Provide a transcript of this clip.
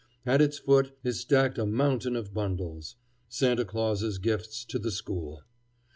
At its foot is stacked a mountain of bundles, Santa Claus's gifts to the school.